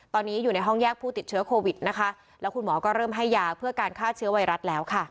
ตอนนี้อยู่ในห้องแยกผู้ติดเชื้อโควิดนะคะแล้วคุณหมอก็เริ่มให้ยาเพื่อการฆ่าเชื้อไวรัสแล้วค่ะ